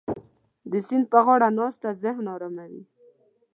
د سیند په غاړه ناسته ذهن اراموي.